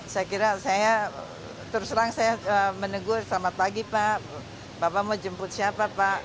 saya kira saya terus terang saya menegur selamat pagi pak bapak mau jemput siapa pak